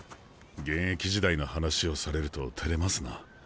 現役時代の話をされるとてれますな。